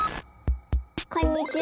こんにちは！